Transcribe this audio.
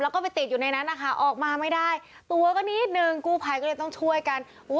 แล้วก็ไปติดอยู่ในนั้นนะคะออกมาไม่ได้ตัวก็นิดนึงกู้ภัยก็เลยต้องช่วยกัน